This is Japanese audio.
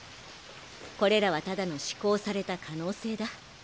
これらはただの思考された可能性だ。